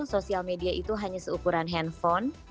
sosial media itu hanya seukuran handphone